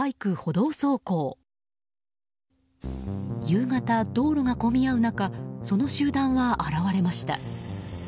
夕方、道路が混み合う中その集団は現れました。